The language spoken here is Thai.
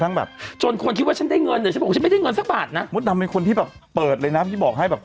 แต่ปรากฏว่าไปครั้งแรกเขาขึ้นไปได้เลยอเรนนี่ไปแล้วนางขึ้น